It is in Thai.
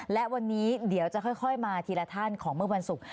และวันนี้เดี๋ยวจะค่อยมาทีละท่านของเมื่อวันศุกร์